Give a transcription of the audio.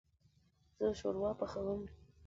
زه شوروا پخوم